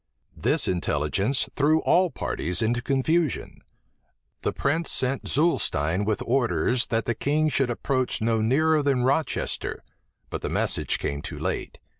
This intelligence threw all parties into confusion. The prince sent Zuylestein with orders that the king should approach no nearer than Rochester; but the message came too late.